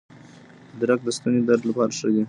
ادرک د ستوني درد لپاره ښه دی.